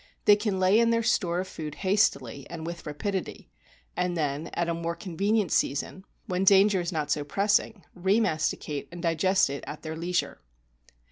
They can lay in their store of food hastily and with rapidity, and then at a more convenient season, when danger 66 A BOOK OF WHALES is not so pressing, re masticate and digest it at their leisure.